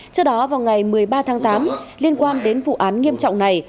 trước đó vào ngày một mươi ba tháng tám liên quan đến vụ án nghiêm trọng này